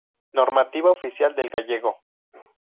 Normativa Oficial del Gallego.